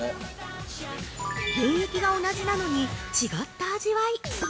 ◆原液が同じなのに違った味わい。